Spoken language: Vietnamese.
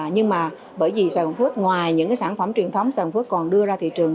nhưng mà bởi vì sài gòn phước ngoài những sản phẩm truyền thống sài gòn phước còn đưa ra thị trường